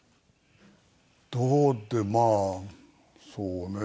どうってまあそうね。